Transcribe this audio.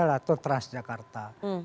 itu sekarang disuruh orang naik andalusia